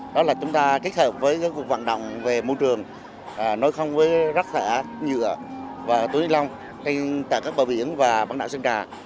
đó là chúng ta kết hợp với các cuộc hoạt động về môi trường nối không với rắc rẽ nhựa và túi lông tại các bãi biển và bán đảo sơn trà